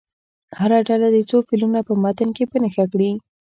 هره ډله دې څو فعلونه په متن کې په نښه کړي.